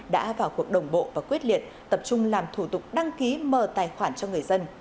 đã vào cuộc đồng bộ và quyết liệt tập trung làm thủ tục đăng ký mở tài khoản cho người dân